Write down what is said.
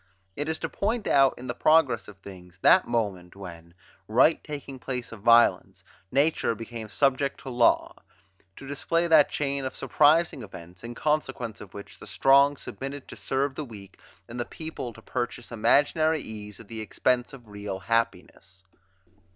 It is to point out, in the progress of things, that moment, when, right taking place of violence, nature became subject to law; to display that chain of surprising events, in consequence of which the strong submitted to serve the weak, and the people to purchase imaginary ease, at the expense of real happiness.